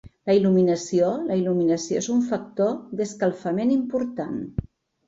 ः La il·luminació: la il·luminació és un factor d'escalfament important.